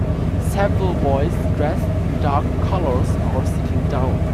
Several boys dressed in dark colors are sitting down.